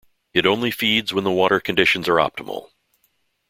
It only feeds when the water conditions are optimal.